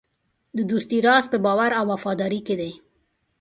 د دوستۍ راز په باور او وفادارۍ کې دی.